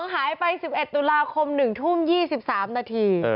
หายไป๑๑ตุลาคม๑ทุ่ม๒๓นาที